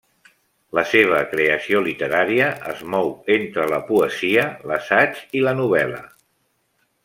La seva creació literària es mou entre la poesia, l'assaig i la novel·la.